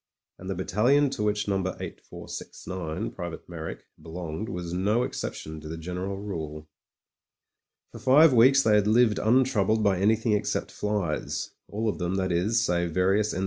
And the battalion to which No. 8469, Private Me)rrick, belonged was no exception to the general rule. For five weeks they had lived untroubled by any thing except flies — ^all of them, that is, save various N.